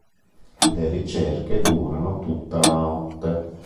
Le ricerche durano tutta la notte.